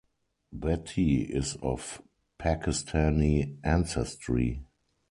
Bhatti is of Pakistani ancestry.